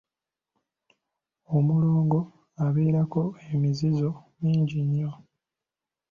Omulongo abeerako emizizo mingi nnyo.